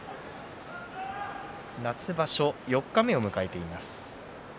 夏場所四日目を迎えています。